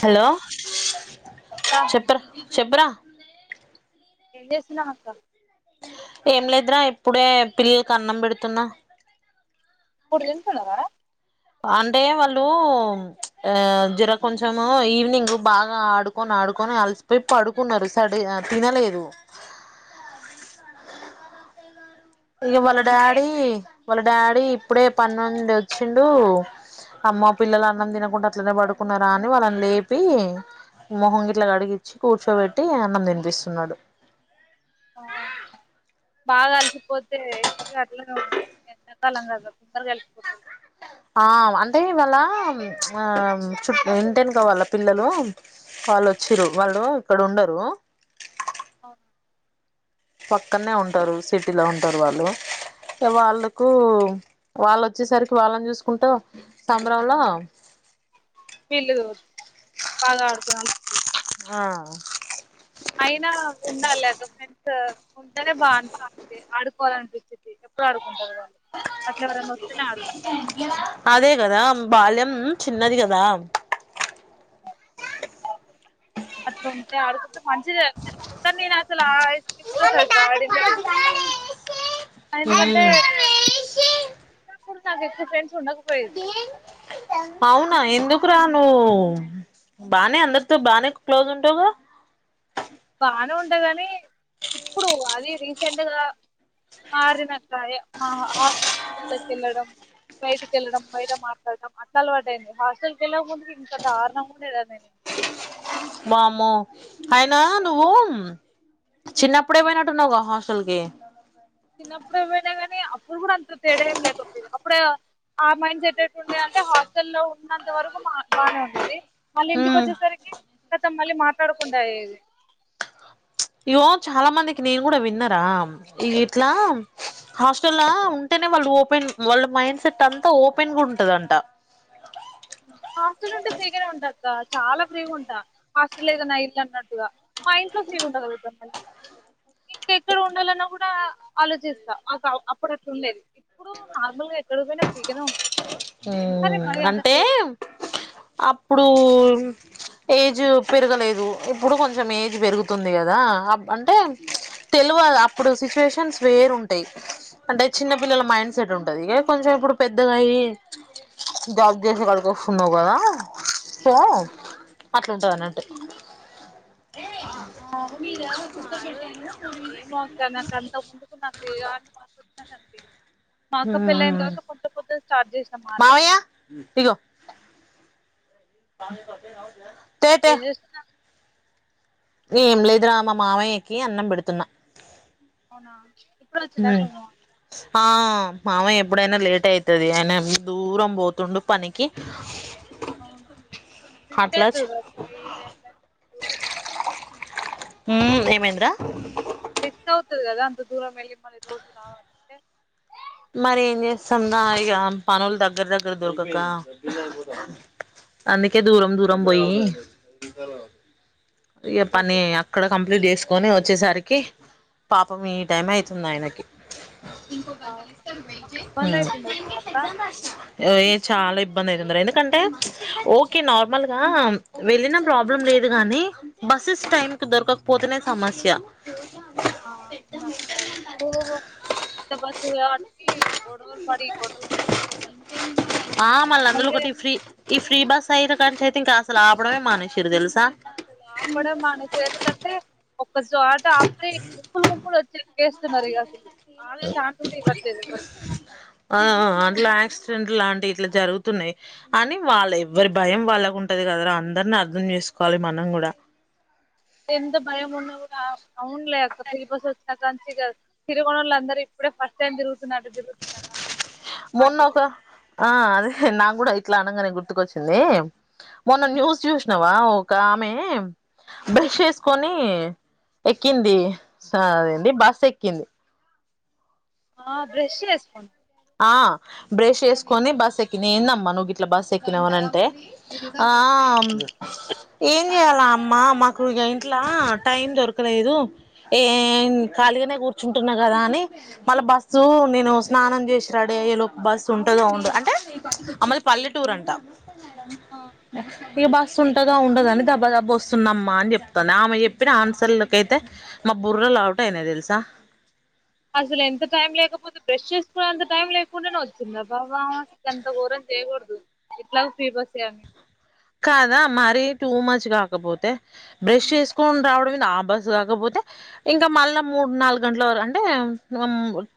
hello అక్క చెప్పరా చెప్పు రా ఏం చేస్తున్నావు అక్క ఏం లేదురా ఇప్పుడే పిల్లలకు అన్నం పెడుతున్నా ఇప్పుడు తింటున్నారా అంటే వాళ్ళు ఆ జరా కొంచెం ఈవినింగ్ బాగా ఆడుకొని ఆడుకొని అలిసిపోయి పడుకున్నారు సడ తినలేదు ఇగ వాళ్ళ అంతే డాడీ వాళ్ళ డాడీ ఇప్పుడే పని నుండి వచ్చిండు అమ్మో పిల్లలు అన్నం తినకుండా అట్లనే పడుకున్నారా అని వాళ్ళని లేపి మొహం గిట్లా కడిగిచ్చి కూర్చోబెట్టి అన్నం తినిపిస్తున్నాడు [inaudible] బాగా అలసిపోతే అట్లానే ఉంటుంది ఎడాకాలం కదా తొందరగా అలిసిపోతరు ఆ అంటే ఇవాళ ఆ చుట్ట ఇంటి ఎనుక వాళ్ళ పిల్లలు వాళ్ళు వచ్చారు వాళ్ళు ఇక్కడ ఉండరు [inaudible] పక్కనే ఉంటారు సిటీలో ఉంటారు వాళ్ళు ఇగ వాళ్ళకు వాళ్ళు వచ్చేసరికి వాళ్ళని చూసుకుంటూ సంబరంలో వీళ్ళు బాగా ఆడుకొని అలసిపోయి ఆ అయినా ఉండాలే అక్క ఫ్రెండ్స్ ఉంటేనే బా అనిపిస్తుది ఆడుకోవాలి అనిపించింది ఎప్పుడు ఆడుకో అదే కదా బాల్యం చిన్నది కదా అట్లా ఉంటే ఆడుకుంటే మంచిదే నేను అసలు ఆ వయసుకి కూడా సరిగా ఆడిందే లేదు తెలుసా అక్క ఎందుకంటే మ్మ్ చిన్నప్పుడు నాకు ఎక్కువ ఫ్రెండ్ ఉండక అవు ఆ ఎందుకురా నువ్వు బానే అందరితో బానే క్లోజ్ ఉంటావుగా బానే ఉంటే గాని ఇప్పుడు అది రీసెంట్గా మారిన సరే మా హాస్టల్ కి వెళ్లడం బయటికి వెళ్లడం బయట మాట్లాడడం అట్లా అల పడంది హాస్టల్ కి వెళ్ళకు ముందు ఇంత దారణం ముండేది తనని వామ్మో అయినా నువ్వు చిన్నప్పుడే పోయినట్టున్నావు గా హాస్టల్ కి చిన్నప్పుడే పోయినా కానీ అప్పుడు కూడా అంత తేడా ఏం లేకపోయినా అప్పుడే ఆ మైండ్ సటేట్టు ఉండే అంటే హాస్టల్ లో ఉన్నంత వరకు బాగానే ఉండేది మళ్ళీ ఇంటికి ఉమ్ వచ్చేసరికి కత మళ్ళీ మాట్లాడకుండా అయేది ఇగో చాలా మందికి నేను కూడా విన్నరా ఈ ఇట్లా హాస్టలా ఉంటేనే వాళ్ళు ఓపెన్ వాళ్ళ మైండ్ సెట్ అంతా ఓపెన్ గా ఉంటదంట హాస్టల్ ఉంటే ఫ్రీగానే ఉంటా అక్క చాలా ఫ్రీగా ఉంటా హాస్టల్ ఏదైనా అయిది అన్నట్టుగా మా ఇంట్లో ఫ్రీ ఉండగలుగుతా మళ్ళీ ఇంకా ఎక్కడ ఉండాలన్నా కూడా ఆలోచిస్తా అప్పుడు అట్లా ఉండేది ఇప్పుడు నార్మల్ గా ఎక్కడ పోయినా ఫ్రీగానే ఉంటా సరే ఉమ్ మరీ అంత అంటే ఫ్రీ ఉం అప్పుడు ఏజ్ పెరగలేదు ఇప్పుడు కొంచెం ఏజ్ పెరుగుతుంది కదా ఆ అంటే తెలు అప్పుడు సిచ్చువేషన్ వేరు ఉంటాయి అంటే చిన్న ఉంటాను పిల్లల మైండ్ సెట్ ఉంటది ఏ కొంచెం ఇప్పుడు పెద్దగాయి జాబ్ చేసే కాడకి వస్తున్నావు కదా సో అట్లా ఉంటది అన్నట్టు ద కు మారు పెట్ట ఇలాన్ [unintelligible] మా అక్క పెళ్ళయిన తర్వాత పొద్దు పొద్దు స్టార్ట్ చేసా మాట మామయ్య ఇగో [unintelligible] ఏం చేస్తున్నా ఏం లేదు రా మా మావయ్యకి అన్నం పెడుతున్నా అవునా ఇప్పుడు వచ్చేదాకము ఆ మామయ్య ఎప్పుడైనా లేట్ అయితుది ఆయన దూరం పోతుండు పనికి అవునా అట్లా బిస్కేట్ [inaudible] ఉమ్ ఏమైంద్రా రిస్క్ అవుతుది కదా అంత దూరం వెళ్ళి మళ్ళీ రోజు రావాలంటే మరి ఏం చేస్తుందా ఇక పనులు దగ్గర దగ్గర దొరికాక అందుకే దూరం దూరం పోయి ఇక ఎట్లా పని పోయినా అక్కడ కం ప్లింట్ చేసుకొని వచ్చేసరికి పాపం ఈ టైం అవుతుంది ఆయనకి అవునా మస్తు ఇబ్బంది ఉమ్ అవుతుండొచ్చు అక్క ఏ చాలా ఇబ్బంది అయితున్నారు ఎందుకంటే ఓకే నార్మల్ గా వెళ్ళిన ప్రాబ్లం లే లేదు గాని బస్సెస్ టైమ్ కు దొరకకపోతేనే సమస్య ఆ అవునక్కా ఇప్పుడు ఉత్త బస్సుఉంది కాబట్టి ట్టి గొడవలు పడి గొడవలు పడి పోతారు ఆ మళ్ళ అందులో నార్మల్గా ఒకటి ఫ్రీ ఈ ఫ్రీ బస్ అయిన కానుంచి అయితే ఇంకా అసలు ఆపడమే మానేసిరు తెలుసా అసలు ఆపడమే మానేశారు ఎందుకంటే ఫస్ట్ ఆటో ఆపితే గుంపులు గుంపులు వచ్చి ఎక్కేస్తున్నారు ఇక అసలు ఆ గే ఛాన్స్ కూడా ఇవ్వట్లేదు ఎవరికి ఆ అట్లా ఆయాక్సిడెంట్ ఇటలాంటి ఇట్లా జరుగుతున్నాయి అని వాళ్ళ ఎవ్వరి భయం వాళ్ళకు ఉంటది కదా రా అందరిని అర్థం చేసుకో వాలి మనం కూడా అవునులే అక్క ఫ్రీ బస్సెస్ తిరగనోళ్ళ అందరు ఇప్పుడే ఫస్ట్ టైం తిరుగు మొన్న ఒక గాని ఆ అదే నాకూడా ఇట్లా అనంగానే గు ర్తుకొచ్చింది మొన్న న్యూస్ చూసినవా ఒక ఆమె బ్రష్ వేసుకొని ఎక్కింది అదేంది బస్ ఎక్కింది ఆ బ్రష్ వేసుకోని ఆ బ్రష్ వేసుకొని బాస్ ఎక్కింది ఏందమ్మా నువ్వు గిట్లా బాస్ ఎక్కినావనంటే ఆ ఆ ఏం చెయాలా అమ్మా మాకు ఇగ ఇంట్ల టైం దొరకలేదు ఏ ఖాళీగానే కూర్చుంటున్నా కదా అని మళ్ళా బస్సు నేను స్నానం చేస్ రెడీ అయ్యేలోపు బస్సు ఉంటాదో ఉండ అంటే ఆ మళ్లీ పల్లెటూరంట ఇగ బస్సు ఉంటాదో ఉండదో అని దబ దబ వస్తున్నమ్మా అని చెప్తాంది ఆమె చెప్పిన ఆన్సర్లకి అయితే బుర్రలు అవుట్ అయినాయ్ తెలుసా అసలు ఎంత టైం లేకపోతే బ్రష్ చేసుకునేంత టైం లేకుండానే వచ్చింద బ ఇంత ఘోరం చేయకూడదు ఎట్లాగో ఫ్రీ బస్ ఏ అని కాద మరీ టూమచ్ కాకపోతే బ్రష్ చేసుకొని రావ ఆ బస్ కాకపోతే ఇంక మళ్ళా మూడు నాలుగు గంటల వర అంటే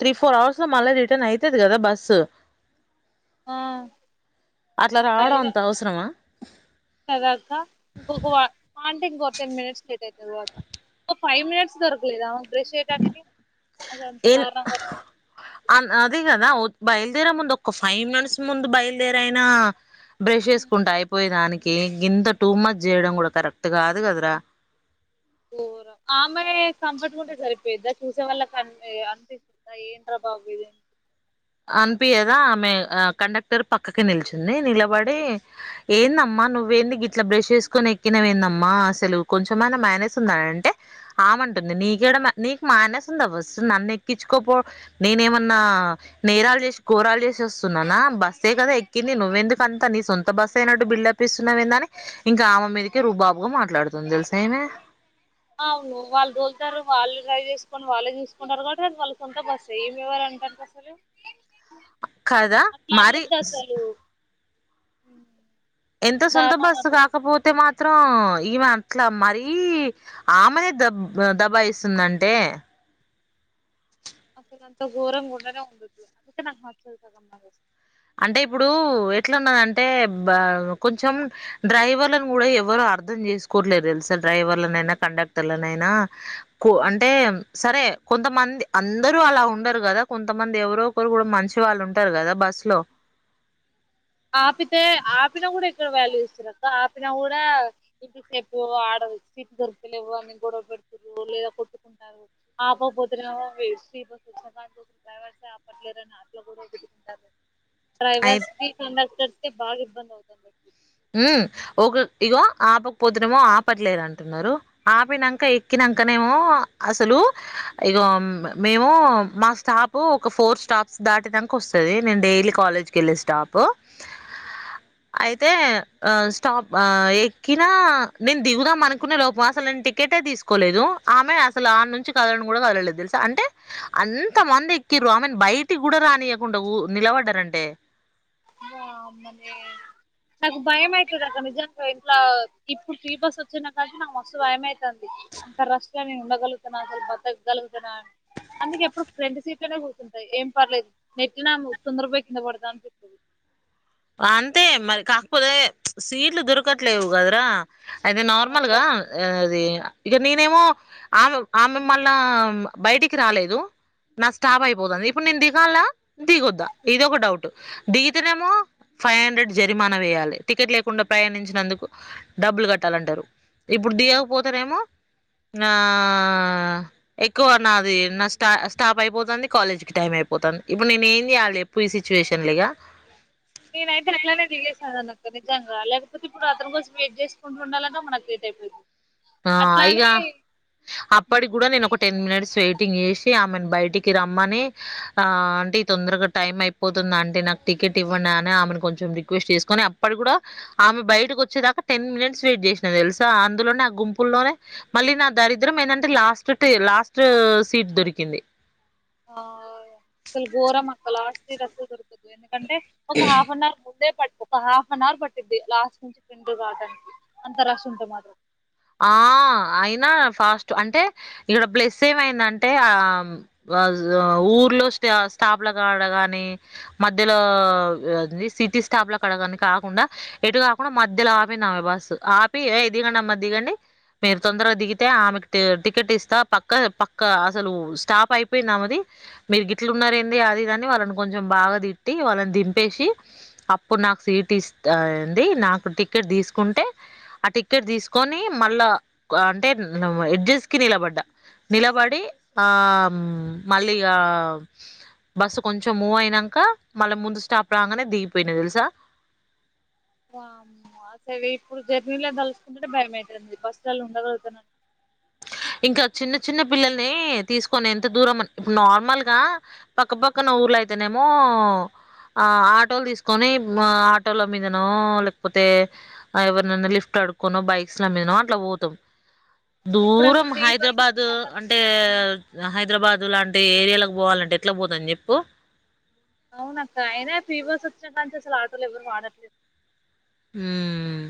త్రీ ఫోర్ అవ మళ్ళ రిటర్న్ అయితది కదా బస్సు ఆ అట్లా రావడం అంత అవసరమా కద అక్క ఇంకొక ఇంకో టెన్ మినిట్స్ లేట్ అవుతాది ఫైవ్ మినిట్స్ దొరకలేదా బ్రష్ చేయడానికి అసలు అంత ఏన్ దారుణంగా అన్ అదికదా బయలుదేరే ముందు ఒక ఫైవ్ మినిట్స్ ముందు బయలుదేరే అయినా బ్రష్ చేసుకుంట అయిపోయే దాని కి గింత టూమచ్ చేయడం కూడా కరెక్ట్ కాదు కదర ఆమె కంఫర్ట్ గుంటే సరిపోయిద్ద చూసేవాళ్ళకి అనిపి అనిపిస్తా ఏంట్రా బాబు ఇది అని అనిపియ్యద ఆమె కండక్టర్ పక్కకి నిలుచుంది నిలబడి ఏందమ్మా నువ్వేంది గిట్ల బ్రష్ చేసుకొని ఎక్కినవేందమ్మ అసలు కొంచెమైనా మేనర్స్ ఉందా అంటే ఆమె అంటుంది నీకేడ నీకు మేనర్స్ ఉందా ఫస్ట్ నన్ను ఎక్కించుకోపో నేను ఏమన్నా ఆ నేరాలు చేసి గోరాలు చేసి వస్తున్నానా బస్సే కదా ఎక్కింది నువ్వెందుకు అంత నీ సొంత బస్సు అయినట్టు బిల్డప్ ఇస్తున్నవేందని ఇంకా ఆమె మీదకి రుబాబుగా మాట్లాడుతుంది తెలుసా ఈమె అవును వాళ్ళు రో [unintelligible] వాళ్ళు డ్రైవ్ చేసుకొని వాళ్ళే చూసుకుంటారు కాబట్టి అది వాళ్ళ సొంత బస్సే ఈమె ఎవరు అంట అసలు కదా మరి హ్మ్ ఎంత సొంత బస్సు కాకపోతే మా మాత్రం ఈమె అట్ల మరీ ఆమెనే దబ్ దబ ఇస్తుందంటే అసలు అంత ఘోరంగుండనే ఉండద్దు అందుకే నాకు నచ్చదు సగం మానర్స్ అంటే ఇప్పుడు ఎట్లున్నదంటే కొంచెం డ్రైవర్లను కూడ ఎవరు అర్థం చేసుకోట్లేదు తెలుస డ్రైవర్లనైనా కండక్టర్లనైనా అంటే సరే కొంతమంది అందరు అలా ఉండరు కదా కొంతమంది ఎవరో ఒకరు కూడ మంచి వాళ్ళు ఉంటారు కదా బస్సు లో ఆపితే ఆపిన కూడ ఎక్కడ వాల్యూ ఇస్తున్నారుక్క ఆపిన కూడ ఇంతసేపు ఆడ దొరికతలేవు అని గొడవ పెడుతు లేదా కొట్టుకుంటారు ఆపాకపోతే నేమో సి అయితే డ్రైవర్స్ కి [inaudible] ఉ ఒక ఇగో ఆపకపోతున్నామో ఆపట్లేద అంటున్నారు ఆపినంక ఎక్కిన ఇంకనేమో అసలు ఇగ మేము మా స్టాప్ ఒక ఫోర్ స్టాప్ దాటే [unintelligible] వస్తది నేను రోజు కాలేజీ కెళ్ళే స్టాప్ అయితే ఆ స్టాప్ ఎక్కిన నేను దిగుదాం అనుకునే లోపం అసలు నేను టికెటే తీసు కోలేదు ఆమె అసలు ఆ నుంచి కదని కూడ కదలలేదు తెలుస అంటే అంత మంది ఎక్కిరు ఆమె బయటికి కూడ రానియ్వకుండా నిలబడ్డారంటే [unintelligible] నాకు భయం అయితది అక్కడ నిజనికి ఇంట్ల ఇప్పుడు త్రీ బస్ వచ్చిన కాబటి నాకు మస్తు భయం అయితది అంత రష్ లో నేను ఉండగలుగుతన్నా అసలు బతకగలుగు తనా అందుకే ఎప్పుడు ఫ్రెంట్ సీట్లనే కూర్తుంట ఏం పర్లేదు నెట్టిన తొందర పోయి కింద పడత అంతే అంతే మరి కాకపోతే సీట్లు దొరకట్లేవు కదరా అది అదే నార్మల్గా అక్క అది ఇక నేనేమో ఆమె ఆమె మళ్ళ బయటికి రాలేదు నా స్టాప్ అయిపోతుంది ఇప్పుడు నేను దిగాల దిగొద్దా ఇద ఒక డౌట్ దిగితేనేమో ఫైవ్ హండ్రెడ్ జరిమానా వేయాలి టికెట్ లేకుండా ప్రయాణించినందుకు డబ్బులు కట్టాలంటారు ఇప్పుడు ఆ దిగకపోతేనేమో నా ఎక్కువ నాది నా స్టా స్టాప్ అయిపోతుంది కాలేజ్ కి టై టైం అయిపోతాంది ఇప్పుడు నేను ఏం చేయాలి చెప్పు ఇప్పుడు ఈ సిచ్యువేషన్ లో ఇక నేనైతే అట్లానే దిగేసాను అనకు నిజంగా లేకపోతే ఇప్పుడు అతని కోసం వెయిట్ చేసుకుంటుండాలంటే మనకు లేట్ అయిపోయిద్ది ఆ ఇగా అప్పటికి కూడా నేను ఒక టెన్ మినిట్స్ వెయిటింగ్ చేసి ఆమెను బయటికి రమ్మని ఆ ఆంటీ తొందరగా టైమ్ అయిపోతు ఆంటీ నాకు టికెట్ ఇవ్వండి అని ఆమెను కొంచెం రిక్వెస్ట్ చేసుకొని అప్పుడు కూడా ఆమె బయటకు వచ్చేదాకా టెన్ మినిట్స్ వెయిట్ చేసినా తెలుసా అందులోనే గుంపుల్లోనే మళ్ళీ నా దరిద్రం ఏంటంటే లాస్ట్ లాస్ట్ సీట్ దొరికింది ఆ అసలు ఘోరం అక్కా లాస్ట్ సీట్ అసలేదొరికిద్ది అంటే ఒక హాఫ్ అన్ అవర్ ముందే పట్ ఒక హాఫ్ అన్ అవర్ పట్టిద్ది లాస్ట్ నుంచి ముందుకు రావడానికి అంత రష్ ఉంటే మాత్రం ఆ అయినా ఫాస్ట్ అంటే ఇక్కడ ప్లెస్ ఏమైందంటే ఆ ఊర్లో స్ట స్టాప్ల కాడ గాని మధ్యలో స్టాప్ లో కడగాని కాకుండా ఎటు కాకుండా మధ్యలో ఆపిందామె బస్సు ఆపి ఏయ్ దిగండమ్మ దిగండి మీరు తొందరగా దిగితే ఆమెకు టికెట్ ఇస్తా పక్క పక్క అసలు స్టాప్ అయి అయిపోయిందామెది మీరు గిట్లు ఉన్నారు ఏంది అది ఇదని వాళ్ళని కొంచెం బాగా తిట్టి వాళ్ళని దింపేసి అప్పుడు నాకు సీట్ ఇస్తంది నాకు టికెట్ తీసుకుంటే ఆ టికెట్ తీసుకు కొని మళ్ళా అంటే ఎడ్జెస్ కి నిలబడ్డ నిలబడి ఆ మళ్ళీ ఆ బస్సు కొంచెం మూవ్ అయినాక మళ్ళీ ముందు స్టాప్ రాగానే దిగిపోయినా తెలుసా ఆ సరే ఇప్పుడు జర్నీలో తలుచుకుంటంటే భయమైతుంది బస్సుల ఉండగలుగుతాన ఇంకా చిన్న చిన్న పిల్లల్ని తీసుకొని ఎంత దూరం అని ఇప్పుడు నార్మల్ గా పక్కపక్కన ఊర్ అయితేనేమో ఆ ఆటోలు తీసుకొని ఆటోల మీదనో లేకపోతే ఎవరినైనా లిఫ్ట్ అడుక్కోనో బైక్స్ల మీదో అట్లా పోతాం ఇప్పుడు దూరం అసలు ఫ్రీ బస్ హైదరాబాదు వచ్చినాక అంటే హైదరాబాద్ ఇందు లాంటి ఏరియాలకి పోవాలంటే ఎట్లా పోతాం చెప్పు అవునక్క అయినా ఫ్రీబస్ వచ్చినకాన్నించి అసలు ఆటోలు ఎవరు వాడట్లేదు హ్మ్